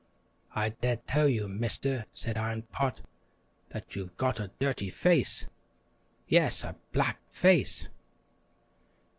"I dare tell you, Mister," said Iron Pot, "that you've got a dirty face yes, a black face."